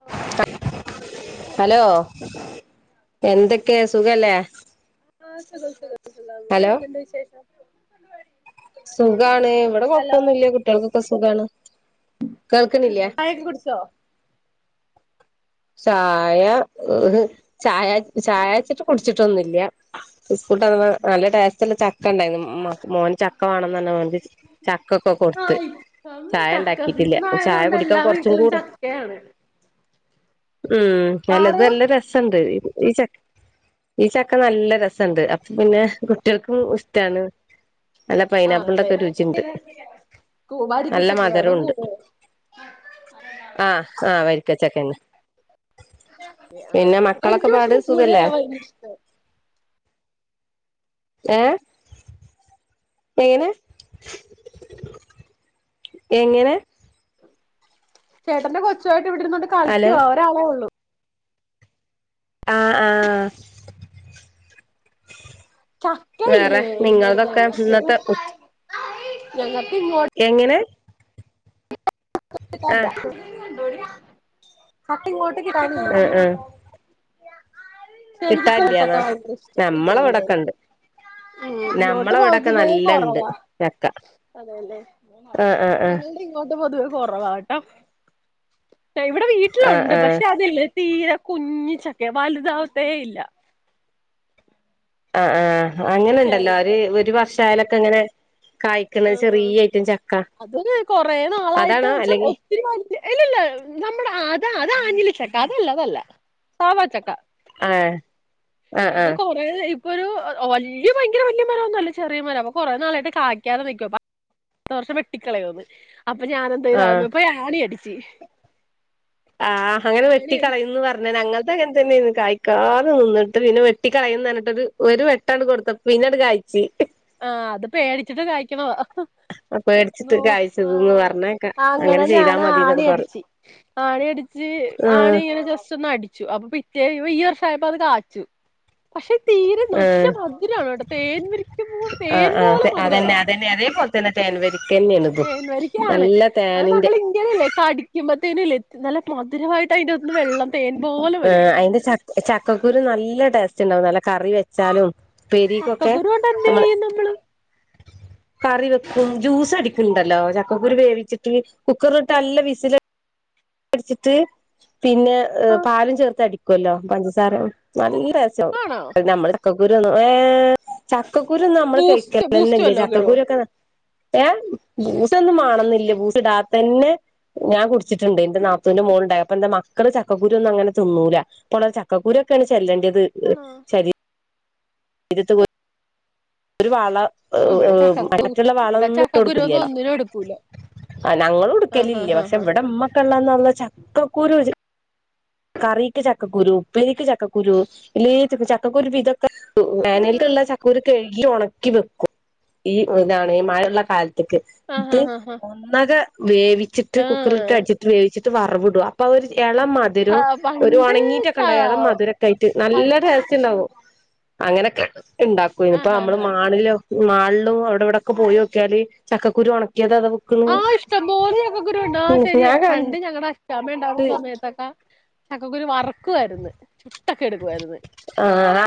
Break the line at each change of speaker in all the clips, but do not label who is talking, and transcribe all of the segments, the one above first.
Hello ആ hello കേക്കാൻ
hello
പറ്റുന്നുണ്ടോ
എന്തൊക്കെ സുഖല്ലേ?
ആ സുഖം സുഖം സുഖം അവിടെ
ഹലൊ
എന്തുണ്ട് വിശേഷം
സുഖാണ് ഇവടെ കുഴപ്പൊന്നുംല്ല കുട്ടിയാൾക്കൊക്കെ സുഖാണ്. കേൾക്കണില്ല
ചായൊക്കെ കുടിച്ചോ?
ചായ, ഒഹ് ചായ ചായാച്ചിട്ട് കുടിച്ചിട്ടൊന്നുല്ല. [unintelligible] കൊട്ത്ത്
ആ ഇപ്പം
ചായ
ചക്ക
ഇണ്ടാക്കിട്ടില്ല.
സീസൺ
ചായ
ആയതുകൊണ്ട്
കുടിക്കാൻ
എല്ലാ
കൊറച്ചും
വീട്ടിലും
കൂടി
ചക്കയാണ്
ഉം അല്ലത്
പാറു
നല്ല രസണ്ട് ഈ ച ഈ ചക്ക നല്ല രസണ്ട്. അപ്പ പിന്നെ കുട്ടിയേൾക്കും ഇഷ്ടാണ് നല്ല പൈനാപ്ളിന്റെ
ആണല്ലേ
ഒക്കെ രുചിണ്ട്
കൂ- വരിക്ക
നല്ല
ചക്കയാണോ
മധരൂണ്ട്.
കൂഴ
ആ ആ വരിക്കച്ചക്കന്നെ
ആ
പിന്നെ മക്കളൊക്കെ
എനിക്ക് പക്ഷെ
പാട്
പുഴയാ ഭയങ്കര ഇഷ്ടം
ഏ എങ്ങനെ എങ്ങനെ
ചേട്ടന്റെ കൊച്ചു ആയിട്ട് ഇവിടിരുന്നോണ്ട്
ഹലോ
കളിക്കുവാ ഒരാളെ ഉള്ളൂ.
ആഹ് ആഹ് വേറെ
ചക്കയില്ലേ
നിങ്ങളതൊക്കെ ഇന്നത്തെ
[unintelligible] ഞങ്ങ
എങ്ങനെ ആഹ്
ഹട്ടിങ്ങോട്ട് കിട്ടാില്ല
ആഹ് ആഹ്
[unintelligible] പക്ഷെ എനിക്ക് പൂച്ചക്കെ
കിട്ടാല്ല്യാന്നാ
ഭയങ്കര ഇഷ്ടം ഇല്ല
നമ്മളെ
ഇല്ല ഇല്ല
ഇവിടൊക്കെണ്ട്
[inaudible] ഉ ഇങ്ങോട്ട്
നമ്മളെ ഇവിടൊക്കെ
ഭൗതിമേ
നല്ലണ്ട്
കൊറവാ
ചക്ക
അതല്ലെ
ആഹ് ആഹ് ആഹ്
നി ഇങ്ങോട്ട് പൊതുവെ കുറവാട്ടോ ഇവിടെ
ആഹ്
വീട്ടിലുണ്ട്
ആഹ്
പക്ഷെ അതല്ലേ തീരെ കുഞ്ഞിച്ചക്കെ വലുതാാവത്തേ ഇല്ല
ആ് ആഹ അങ്ങനെുണ്ടല്ലോ ഒരു
ചെറുത്
ഒരു വർഷ ആാലൊക്കെ ഇങ്ങനെ ആഴ ചെറിയട്ട ച
അത് കൊറെ നാളായിട്ട് വെച്ചാ
അല്ലെങ്കി
ഒത്തിരിമാ ഇല്ലല്ല നമ്മുടെ അതാ അത ആഞ്ഞ്ഞില ചക്ക അതല്ല അതല്ല സാവാ ചക്ക
ആ ആ ആ
ഇത് കൊറേ ഇപ്പൊ ഒരു വലിയ ഭയങ്കര വലിയ മരംൊന്നുമല്ല ചെറിയ മര അപ്പൊ കുറെ നാളായിട്ട് തെ നിക്കുവാ വർഷം വെട്ടിക്കളയോന്ന് അപ്പൊ ഞാാന എന്ത
ആഹ്
അപ്പൊ ആണി അടിച്ചു
ആ അങ്ങനെ വെട്ടിക്കളയന്ന് പറഞ്ഞ ഞൾ തന്നെന്ന് കായ്ക്കാതെ നിന്നിട്ട് പിന്നെ വെട്ട കളയുന്നഞ്ഞിട്ട് ഒരു വെട്ടണ്ട് കൊടുത്ത പിന്നട് കയിച്
ആ അത് പേടിച്ചിട്ട് കായ്ക്കണ
പേടിച്ചിട്ട്
ോ ആ
കായ്ച്ചതന്ന് പറഞ്ഞേക്കാം
അങ്ങനെ
ചെയ്താ
ഞാൻ
മതിന്നൊക്കെ പറഞ്ഞു
ആണടിിച്ചു ആണടിിച്ച
ആഹ്
ആണ് ഇങ്ങനെ ജസ്റ്റ് ഒന്ന് അടിച്ചു അപ്പൊ പിറ്റേ ഈ വർഷയപ്പോ അത് കാച്ചു പക്ഷെ തീരെ നല്ല മജജരാണോ കേട്ട തേൻവരി
ആ് ആ അതന്നെ അതന്നെ അതേപോലെ തന്നെ തേൻവരിക
തേൻവരിക ആണ് അത്
തേനിന്റെ
നമ്മൾ ഇങ്ങനെയല്ലേ കടിക്കുമ്പ എ നല്ല മധുരമായിട്ട് അതി്റെ ഒന്ന് വെള്ളം തേൻ പോലെ
ആ
വരും
അതിന്റെ ച ചക്കക്കുരു നല്ല ടേസ്റ്റ് ഉണ്ടാവും നല്ല കറി വെച്ചാലും പെരക്കൊക്കെ
ചക്കക്കുരു കൊണ്ട് എന്ത്
നമ്മൾ
ചെയ്യും നമ്മള്
കറി വെക്കും ജ്യൂസ് അടിക്കുംണ്ടല്ലോ ചക്കക്കുരി വേവിച്ചിട്ട് കുക്കറിലോട്ട് നല്ല വിസിൽ ഉ ടിച്ചിട്ട് പിന്നെ
ആ
പാലും ചേർത്ത് അടിക്കുമല്ലോ പഞ്ചസാര നല്ല അത്യാവും
ആണോ
നമ്മുടെ ചക്ക ഗുരു ഏ ചക്കൂര ഒും നമ്മള്
ബൂസ്റ്റ് ബൂസ്റ്റ്
കഴിക്കണന്നല്ലേ
വല്ലോം ഇടോ
ചക്കൂരൊക്കെ ഏ ബൂസൊന്നും വണന്നില്ല ബൂസ് ഇടാത്ത തന്നെ ഞാൻ കുടിച്ചിട്ടുണ്ട് എന്റെ നാത്തത്തിന്റെ മോുണ്ടായി അപ്പൊ എന്റെ മക്കൾ ചക്കര ഒും അങ്ങനെ ന്നൂ അപ്പോ ചക്കൂര ഒക്കെയാണ് ചെല്ലണ്ടത് അത്
ആണോ
ശരി ഇതത്ത കൊ ഒരു വാള
ഓ ഇവിടെ ചക്കക്കു
മറ്റുള്ള വാള
ഇവിടെ
ഒന്നും ഇട്ട്
ചക്കക്കുരുവൊന്നും
കൊടുക്കില്ലല്ലോ
ഒന്നിനും എടുക്കൂല
ആ ഞങ്ങും ഉടുക്കല
ആഹ്
ഇല്ലേ
ആഹ്
പക്ഷെ
ആഹ്
ഇവിടെ അമ്മക്കള്ളാന്നല്ല ചക്കക്കൂരു കറിക്ക് ചക്കുരു ഉപ്പേക്ക് ചക്കുരു ഇല്ല ചക്കുരു ഇതൊെ
ആഹ്
വേനൽക്കുള്ള ചക്കൂര കഴുകി ഉണക്കി വെക്കും ഈ ഇതാണ് ഈ മഴള്ള കാലത്ത്
ആഹ്
ഇട്ട്
ഹാ ഹാ ഹാ
ഒന്നക വേവിച്ചിട്ട്
ആഹ്
കുക്കറിലട്ട് അടിച്ചിട്ട് വേവിച്ചിട്ട് വറവവി വിടും അപ്പൊ അവര് എളം
ഹാ
മധുരം ഒരു
പണ്ട്
ഉണങ്ങിയിട്ടൊക്കെ
ചാ
ഉണ്ടായ അയാള മധുരക്ക ആയിട്ട്
പ
നല്ല രസ ണ്ടാവ അങ്ങനൊക്കെ ഉണ്ടാക്കും
ആഹ്
ഇനിയിപ്പോ
ഹാ
നമ്മള്
ഹാ
മാണിലോ മാളിലും അവിടെ ഇവിടെയൊക്കെ പോയി വോക്കാല് ചക്കുരുണ
ആ ഇഷ്ടം പോലെ ചക്ക കുരു ഇണ്ട് ആ ശരിയ
ഞാൻ കണ്ടിട്ട്
പണ്ട് ഞങ്ങളടെ ക്ഷാമ ഉണ്ടാവുന്ന സമയത്തൊക്കെ ചക്കക്കരു വറക്കുായിരുന്നു ഇട്ടൊക്കെ എടുക്കുമായിരുന്നു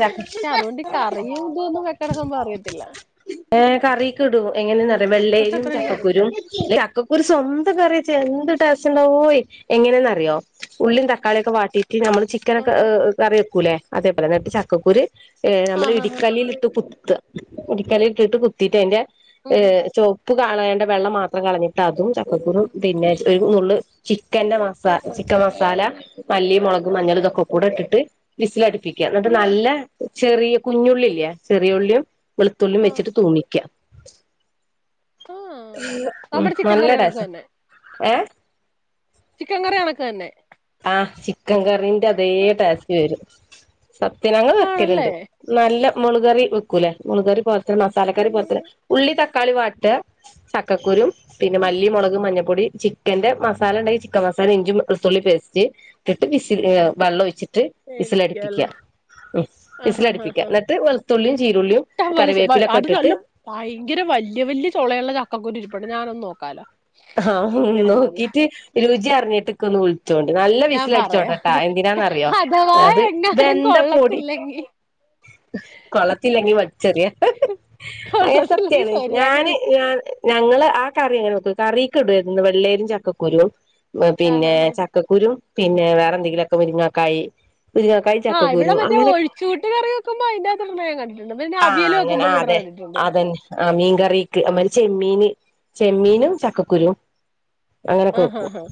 ആ
അതുകൊണ്ട് കറിയും ഇതൊന്നും വെക്കടക്കുമ്പ അറിയത്തില്ല
ഏ കറിലെ ഒക്കെ ഇടും എങ്ങ്നെ അണ്എന അറിയൂ
അയിനെ കുറിച്ച്
വെള്ളയിലും
അത്ര എനിക്കറിയത്തില്ല
ചക്കക്കുരു ചക്കക്കുരു സ്വന്തം കറി വെച്ച എന്തൂട്ട് ടേസ്റ്റ് അന്ന് എന്ന് അറിയൂ എങ്ങനെയന്ന അറിയോ ഉള്ളും തക്കാളിയൊക്കെ വാട്ടി നമ്മള് ചിക്കനൊക്കെ്
ആഹ്
ല്ലെ അതേപോലെ എന്നിട്ട് ചക്കുര് നമ്മ
ആഹ് ആഹ്
ഇടിക്കല്ലിൽ ഇട്ട ഒരിക്കല ഇട്ടിട്ട് കുത്തിട്ട് അതിന്റെ
ഉം ഉം ഉം
ചോപ്പ് കാണൻ വെള്ളം മാത്രം കളഞ്ഞിട്ട് അതും ചക്കക്കും പിന്നെ ച ചൻ മസാല മല്ലി മുളക്ും മഞ്ഞൾും ഇതൊക്കെ കൂടെ ഇട്ടിട്ട് വിസിലടിപ്പിക്കുക എന്നിട്ട് നല്ല ചെറിയ കുഞ്ഞുള്ളില്ലയ ചെറിയ ഉുള്ളിയും വെളുത്തുള്ളി
ആഹ്
വെച്ചിട്ട് തൂണിക്ക
ആഹ്
ഉ
നമ്മുടെ ചിക്കൻ കറി കണക്ക്
നല്ലടസ
തന്നെ
ഏ
ചിക്കൻ കറിയാനൊക്കെ തന്നെ
ആ ചിക്കൻ കറന്റെ അതേ
ആഹ്
ടാസ്റ്റ് വരും സത്യനങ്ങ വെക്കലണ്ട്
ആണല്ലേ
നല്ല മുളുകറി വെക്കൂല്ലേ മുളുകറി പോറത്തി മസാലക്കറി പോറത്തി
ഉം
ഉള്ളി ത തക്കാളി വാട്ട് ചക്കക്കുരും പിന്നെ മല്ലിമുളക്ും മഞ്ഞപ്പൊടി ചിക്കന്റെ മസാല ഉണ്ടെങ്കിൽ ചിക്കൻ മസാല ഇഞ്ചും വെളത്തുള്ളി പേസ്റ്റ് ഇട്ട്സി വെള്ളം ഒഴിട്ട് വിസലടിപ്പിക്കുക
എനിക്കാല്ലേ
ഉ
ആഹ് ആഹ്
ഇസിലടിപ്പിക്കാം എന്നിട്ട് വെളുത്തുള്ളിയും ചീരുള്ളിയും
ഇഷ്ടം
കറിവേപ്പിലൊക്കെ ഇട്ടിട്ട്
വലിയ വലിയ തുളുള്ള ചക്കുരി ഇപ്പപ്പെട ഞാനൊന്ന നോക്കാലോ
ആഹ്
എങ്ങനെയുണ്ടെന്ന്
നോക്കീട്ട് രുചി അറിഞ്ഞിട്ട് ഒന്ന് വിളിച്ചോണ്ട് നല്ല
ഞാൻ പറയാം
വിസൽടിച്ചോടട്ടാ എന്തിനാന്ന്റിയ
അഥവാ
അത്
എങ്ങാനും
വെന്തപ്പൊടി
കൊള്ളത്തില്ലെങ്കി
കൊളത്തില്ലെങ്കി വടിച്ചെറിയ അ
കൊള്ളത്തില്ലെങ്കി
സത്യാണ്
ശരിയാക്ക
ഞാന് ഞാൻ ഞങ്ങള് ആ കറി അങ്ങനെ നോക്ക കറിക്കെ ഇടുന്ന് വെള്ളേരിും ചക്കുരുും
ആഹ്
പിന്നെ
ആഹ്
ചക്കുരുും പിന്നെ വേറെന്തെങ്കിലുമൊക്കെ മുരിങ്ങക്കായി മുരിങ്ങക്കായി
ആഹ്
ചക്കക്കുരു
ഇവിടെറ്റേ
അങ്ങനെ
ഒഴിച്ച കൂട്ടി കയറി വെക്കുമ്പോ അതിന്റെക നിർണയം കണ്ടു
ആഹ അങ്ങനെ ആ അതെ അതന്നെ ആ മീൻകറിക്ക്മാ ചെമ്മീൻ ചെമ്മീനും ചക്കക്കുരുും അങ്ങനെയൊക്കെ
ആഹ്
വെക്കും
ആഹ്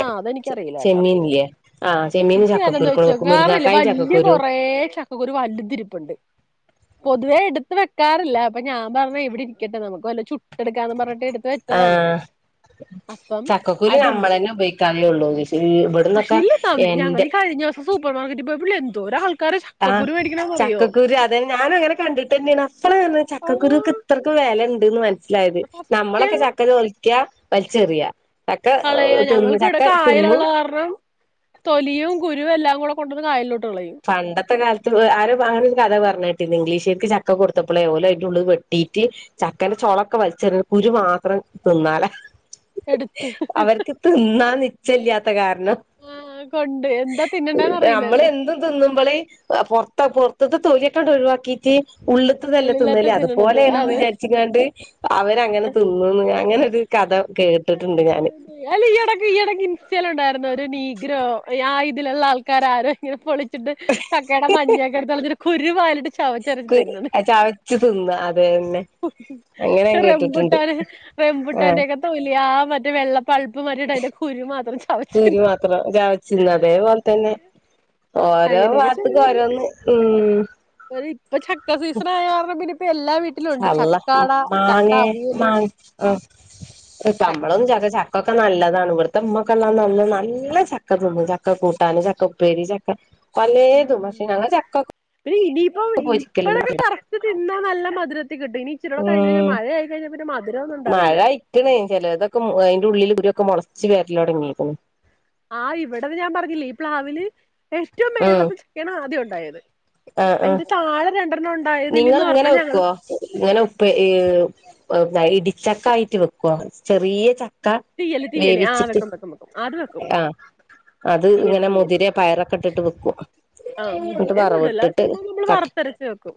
ആഹ് അതെനിക്കറിയില്ല കേട്ടോ
ചെമ്മീൻ്യേ ആ ചെമ്മീൻ
ഇത്
ചക്കക്കുരുക്ക നോക്ക മുരിങ്ങാക്കായും ചക്കക്കുരുും
ഒേ ചക്കക്കുരു വലുതിരിപ്പ്ുണ്ട്
[inaudible]
പൊതുവേ എടുത്ത് വെക്കാറില്ലപ്പൊ ഞാൻ പറഞ്ഞ ഇവിടെ ഇരിക്കട്ടെ നമുക്ക് വല്ല ചുട്ടെടുക്കാന്ന് പറഞ്ഞട്ട് എടുത്ത്
ആ
വെച്ചതാണ്
ചക്കക്കുരു
അതണ്ട്
നമ്മളന്നെ ഉപയോഗിക്കാറേ ഉള്ളൂ
പക്ഷെ
ഇവിടന്നൊക്കെ
ഇല്ല ത ഞങ്ങ
എന്റെ
കഴിഞ്ഞ ദിവസം സൂപ്പർ മാർക്കറ്റ് ബി എന്തോ
ആ ചക്കുരു അത ഞാൻ അങ്ങനെ കണ്ടിട്ട് തന്നെയാണ് അപ്പഴ ചക്കുരുെ
ആഹ്
ഇത്രക്ക വിലുണ്ട് ന്ന് മനസ്സിലായത് നമ്മളൊക്കെ ചക്ക ചോലിക്ക വലിച്ചെറിയാ
കളയ ഞങ്ങൾക്ക് ഇവിടെ കായലുള്ള കാരണം തൊലിയും കുരുവും എല്ലാം കൂടെ കൊണ്ട കായലോ
പണ്ടത്തെ കാലത്ത് ആര ആ ഒരു കഥ പറഞ്ഞിട്ട് ഇംഗ്ലീഷിലേക്ക് ചക്ക കൊടുത്തപ്പോളെ ഓലോ അ ഉള്ള വെട്ടിട്ട് ചക്ക കൊളൊക്കെ വലിച്ചെ കുരു മാത്രം തിന്നാലേ
എടുത്ത്
അവര്ക്ക് തിന്നാൻ നിച്ചല്ല്യാത്ത കാര് ണാ.
ആഹ് കൊണ്ട് എന്താ തിന്നണ്ടേന്ന്
നമ്മള്
അറിയില്ലല്ലോ
എന്തും ള് പൊർത്ത പൊർത്ത്തെ തോലക്കാണ്ട് ഒഴിവാക്കീട്ട് ഉള്ള്ത്തതല്ലേ തിന്നല്.
പുള്ളില്ലാത്ത തിന്നണത്
അതുപോലേണ് ന്ന്
അതെ
വിചാരിച്ച്കാണ്ട് അവരങ്ങനെ തിന്നുംന്ന് അങ്ങനെ ഒര് ക
അല്ല ഈയെടക്ക് ഈയെടക്കിൻസ്റ്റയിലുണ്ടായിരു ന്നു. ഒരു നീഗ്രോ ആ ഇതിലുള്ള ആൾക്കാരാരോ ഇങ്ങനെ പൊളി ച്ചിട്ട് ചക്കേട മഞ്ഞക്കെ ഇട്ത്ത് കളഞ്ഞിട്ട് കുരു വായിലിട്ട് ചവച്ചരച്ച്
കു
തിന്ന് ണ്.
ചവച്ച് തിന്ന അതേന്നെ
റംമ്പുട്ടാൻ,
ആഹ്
റെംപുട്ടാൻന്റെ ഒക്കെ തൊലി യാ മറ്റേ വെള്ളപ്പൾപ്പ് മാറ്റീട്ടെ
കുരു മാത്രം ചവച്ച്തിന്ന് അതേപോലെ തന്നെ ഓരോ
അങ്ങനെയൊക്കെ ചെയ്യും
ഭാഗത്ത്ക്ക് ഓരോന്ന് ഉം
ഇപ്പൊ ചക്ക സീസൺ ആയ കാരണം പിന്നെ ഇപ്പ എല്ലാ വീട്ടിലും ഉണ്ട്
അള്ള
ചക്കാട ചക്ക
മാങ്ങേ
അവിയല്
മാങ്ങ ആഹ് [unintelligible]
ച
പ്പ്ക്കെ നല്ലതാണ് ഇവിടുത്തെ ഉമ്മാക്കെ നാ നല്ല ചക്ക തിന്ന് ചക്ക കൂട്ടാന്, ചക്ക ഉപ്പേരി, ചക്ക പലേതും പഷേ ഞങ്ങള് ചക്ക കു
പിന്നെ ഇനിയിപ്പോ
ക്കാ പൊരിക്കലൊന്നും
ഇപ്പഴൊക്കെ
ഇല്ല
കറക്റ്റ് തിന്നാ നല്ല മധ് ര ത്തി കിട്ടും ഇനി ഇച്ചിരുട കഴിഞ്ഞാഞാ
ഉം
മഴ ആയി കഴിഞ്ഞാ പിന്നെ മധുരോന്നും
മഴ
ഉണ്ടാവില്ല്യ
ക്ക മൊളച്ചു വരലോടെങ്ങിയെക്കണ്
ആഹ് ഇവിടന്ന് ഞാൻ പറഞ്ഞില്ലേ ഈ പ്ലാവില് ഏറ്റവും
ഉം
മേളിലത്തെ ചക്കയാണ് ആദ്യം ഒണ്ടായത് അയിന്റെ താഴെ രണ്ടെണ്ണം ഉണ്
നിങ്ങളിങ്ങനെ വെക്കുവോ ഇങ്ങനെ ഉപ്പ ഏഹ് ഏഹ് ഇടിച്ചക്ക ആയിട്ട് വെക്കുവാ ചെറിയ ചക് ക്കാ
തീയല് തീയല് ആ
വേവിച്ചിട്ട്
വെക്കും വെക്കും വെക്കും അത് വെക്കും
ആഹ് അത്
തീയല്
ഇങ്ങനെ
തീയല്
മുതിരെ പയറൊക്കെ ഇട്ടിട്ട് വെക്കും.
ആഹ്
എന്നിട്ട്
മുതിരയൊന്നും
വറവ്
ഇടില്ല
ഇട്ടിട്ട്
ചുമ്മാ നമ്മള്
കട്ടി
വറുത്തരച്ച് വെക്കും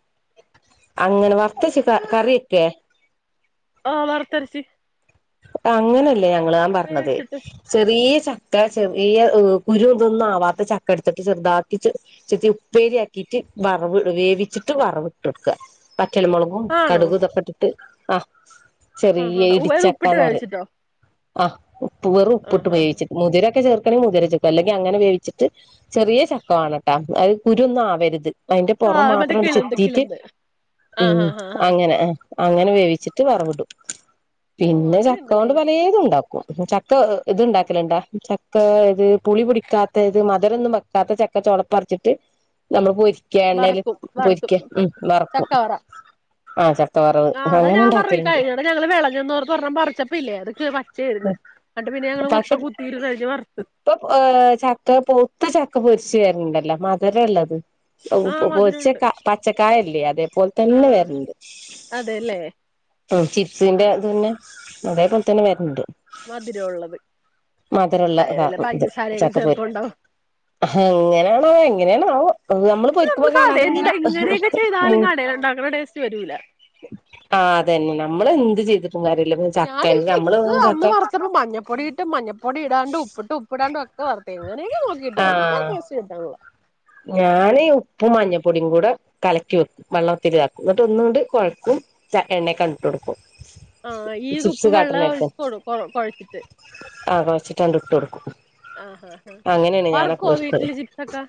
അങ്ങനെ വറത്തച്ചക്ക കറിയെക്കെ
ആഹ് വറത്തരച്ച്
അങ്ങനല്ല ഞങ്ങള് ഞാ പറഞ്ഞത് ചെറിയ ച ക്ക ചെറിയ ഉം കുരു ഇതൊന്നും ആവാത്ത ചക്ക എടുത്തിട്ട് ചെറുതാക്കി ച്ചേ ചെത്തി ഉപ്പേരിയാക്കിട്ട് വറവ് വേവിച്ചിട്ട് വറവിട്ടെട്ക്കാ വറ്റല്മോളകും
ആണോ
കടുകു ഇതൊക്കെ ഇട്ടിട്ട് ആ
ആഹ്
ചെറിയ
ആഹ് ഉ
ഇടിച്ച
അത് ഉപ്പിട്ട് വേവിച്ചിട്ടോ
ആഹ് ഉപ്പ് വെറും ഉപ്പിട്ട്
ആഹ് ആഹ്
വേവിച്ചിട്ട് മുതിരൊക്കെ ചേർ ക്കരിം മുതിര ചക്ക അല്ലെങ്കി അങ്ങനെ വേവിച്ച്ട്ട് ചെറിയ ചക്ക വാണട്ടാ അത് കുരു ഒന്നാവര്‌ത് അയ്ന്റെ പൊറം
ആഹ് മറ്റേ
മാത്രം അണ്ട്
കിളന്ത്
ചെടത്തീ്ട്
കിളന്ത്
ഉം
ആഹ് ആഹ് ആഹ്
അങ്ങനെ ആഹ് അങ്ങനെ വേവിച്ചിട്ട് വറവ്ടും
ഓഹ്
പിന്നെ
അങ്ങനെയുണ്ടല്ലേ
ചക്കോണ്ട് പലേതുണ്ടാ ക്കും ചക്ക ഇത്ണ്ടാക്കല്ണ്ടാ ചക്ക ഇത് പുളി പുടിക്കാത്ത ഇത് മധരൊന്നും വെക്കാത്ത ച ക്ക ചോളപ്പറിച്ചിട്ട് നമ്മള് പൊരിക്ക എണ്ണേല്
വറക്കും വറക്കും
പൊരിക്ക ഉം വറക്കും.
ചക്കവറ
ആഹ് ചക്ക വറവ് അങ്ങനെ ഇണ്ടാക്കല്ണ്ട്.
ന്നോർത്ത് ഒരെണം പറിച്ചപ്പ ഇല്ലേ അതൊക്കെ പച്ചേര്ന്ന്.
പക്ഷെ ഇപ്പൊ ഏഹ് ചക്ക പൊവ്ത്ത ചക്ക പൊരി ച്ച് വര്ണ് ണ്ടല്ല മധരള്ളത്. അവ് പൊ
ആഹ്
പൊ പൊരിച്ച
മധുരമുണ്ട്
ക പച്ചക്കായല്യേ അതേപോലെ തന്നെ
ആഹ്
വര്ണ് ണ്ട്.
അതെല്ലേ
ഉം ചിപ്സിന്റെ ഇതന്നെ അതേ പോലെ തന്നെ വര്ണ് ണ്ട്.
മധുരം ഒള്ളത്
മധുരള്ള കാ ഇത് ചക്കപ്പൊരി
ചേർക്കുന്നുണ്ടാവും
ഹെങ്ങനേണാവോ എങ്ങനേണാവോ നമ്മള് പൊരിക്കുമ്പ കാണാ അത്ങ്ങനെ മൂ
ണ്ടാക്കണ ടേസ്റ്റ് വരൂല.
ആഹ് അതന്നെ നമ്മള് എന്ത് ചെയ്തി
ഞാൻ ഈ ചിക്സ് അന്ന് പറിച്ചപ്പോ മഞ്ഞപ്പൊടിയിട്ടും മഞ്ഞപ്പൊ പ്പൊടി ഇടാണ്ട് ഉപ്പിട്ട് ഉപ്പിടാണ്ടും ഒക്കെ വറുത്ത് എങ്ങനെയൊക്ക നോക്കിട്ട് എനിക്ക ആ ടേയ്സ്റ്റ് കട്ടണില്ല
ഞാൻ ഉപ്പും മഞ്ഞപ്പൊടിയും കൂട കലക്കി വെക്കും വെള്ളം ഒത്തിരി ഇതാക്കും എന്നിട്ട് ഒന്നൂടി കുഴക്കും ച എണ്ണെ കങ്ങിട്ട്കൊടുക്കും
ആഹ് ഈ ഉപ്പും വെള്ളം ഒഴി കൊടു കൊഴ് കുഴച്ചിട്ട്
റ്റാ ഇട്ട് കൊടുക്കും
ആഹ് ആഹ് ആാഹ്
അങ്ങനെയാണ് ഞാനൊക്കെ
വറുക്കുവോ
പൊരിക്കല്
വീട്ടില് ചിപ്സൊക്കെ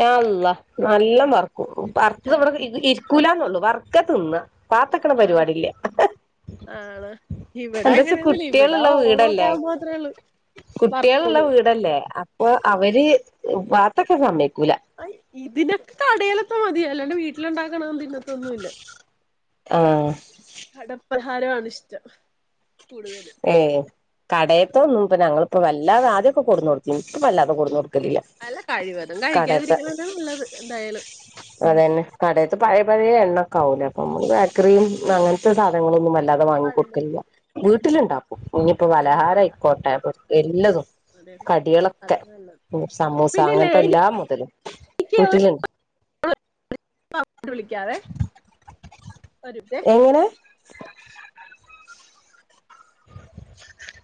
യാ അള്ളാ നല്ല വർക്കും വറുത്തത് ഇവിട ഇത് ഇരിക്കൂലാന്നുള്ളു വർക്ക തിന്ന്ക പാത്തക്കണ പരിപാടില്ല
ആണ ഇവിടെ
എന്താച്ചാ
അങ്ങനെയൊന്നുല്ല ഇവിട ഓണൊക്കാകുമ്പ മാത്രേള്ളു
കുട്ടികള്ള്ള വീടല്ലേ അപ്പൊ അവര് വാത്തൊക്കെ സമയ്
ആയ് ഇതിനൊക്കെ കടയിലത്തെ മതി അല്ലാണ്ട് വീട്ടിലൊണ്ടാക്കണ തോന്നും തിന്നതി ത്തോന്നുല്ല
ആഹ്
കടപ്പലഹാരമാണ് ഇഷ്ടം കൂടുതല്
ഏ കടയപ്പ ഒന്നും ഇപ്പ ഞങ്ങളിപ്പോ വല്ല [unintelligible]
അല്ല കഴിവ തും കഴിക്കാതിരിക്കണംത നല്ലത് എന്തായാലും
അതെന്നെകടയിത്ത് പഴയ
അതാ
പഴയ എണ്ണക്കാവൂലേ നമ്മള് ബേക്കറിയും അങ്ങനത്തെ സാധനങ്ങളൊന്നും വല്ലാതെ വാങ്ങി.
പഴമ
കൊടുക്കലില്ല വീട്ടിലുണ്ടാക്കും ഇനിപ്പോ വലഹാരം
അതാ
ആയിക്കോട്ടെ എല്ലതും
അതാണ്
കടികളൊക്കെ
അതാണ് നല്ലത്
സമൂസ
പിന്നില്ലേ
അങ്ങനത്തെ എല്ലാം മുതലും വീട്ടിലുണ്ട്
[unintelligible]
എങ്ങനെ
[unintelligible]
[unintelligible]